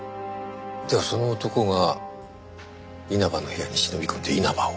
ではその男が稲葉の部屋に忍び込んで稲葉を？